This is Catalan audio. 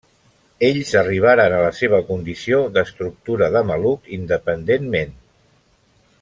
Ells arribaren a la seva condició d'estructura de maluc independentment.